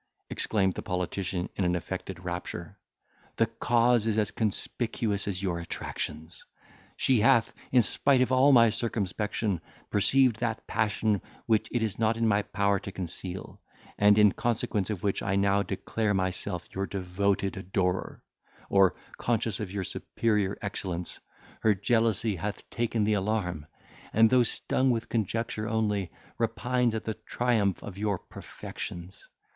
exclaimed the politician in an affected rapture, "the cause is as conspicuous as your attractions. She hath, in spite of all my circumspection, perceived that passion which it is not in my power to conceal, and in consequence of which I now declare myself your devoted adorer; or, conscious of your superior excellence, her jealousy hath taken the alarm, and, though stung with conjecture only, repines at the triumph of your perfections.